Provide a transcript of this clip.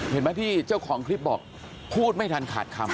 เห็นไหมที่เจ้าของคลิปบอกพูดไม่ทันขาดคำ